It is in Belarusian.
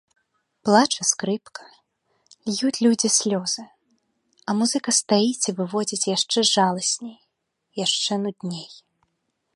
Плача скрыпка, льюць людзі слёзы, а музыка стаіць і выводзіць яшчэ жаласней, яшчэ нудней.